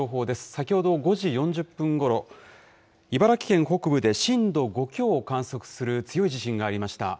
先ほど５時４０分ごろ、茨城県北部で震度５強を観測する強い地震がありました。